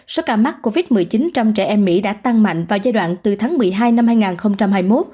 số ca mắc covid một mươi chín trong trẻ em mỹ đã tăng mạnh vào giai đoạn từ tháng một mươi hai năm hai nghìn hai mươi một